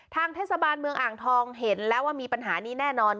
ทางเทศบาลเมืองอ่างทองเห็นแล้วว่ามีปัญหานี้แน่นอน